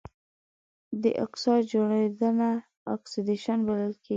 د اکسايډ جوړیدنه اکسیدیشن بلل کیږي.